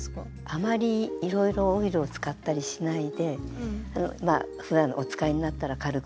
あまりいろいろオイルを使ったりしないでまあふだんお使いになったら軽くきれで拭いておくとか。